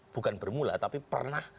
bukan bermula tapi pernah